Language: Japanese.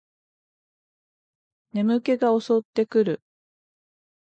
眠気が襲ってくる